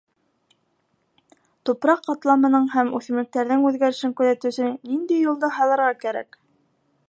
Тупраҡ ҡатламының һәм үҫемлектәрҙең үҙгәрешен күҙәтеү өсөн ниндәй юлды һайларға кәрәк?